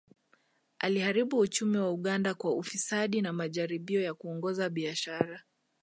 Aliharibu uchumi wa Uganda kwa ufisadi na majaribio ya kuongoza biashara